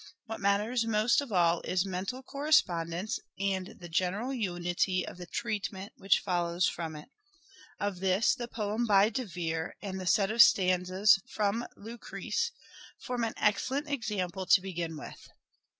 What matters most of all is mental correspondence and the general unity of treatment which follows from it. Of this, the poem by De Vere, and the set of stanzas from " Lucrece," form an excellent example to begin with.